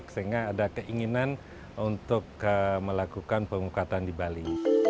sehingga ada keinginan untuk melakukan pengukatan di bali